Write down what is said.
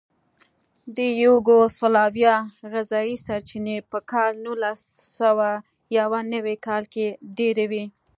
د یوګوسلاویا غذایي سرچینې په کال نولسسوهیونوي کال کې ډېرې وې.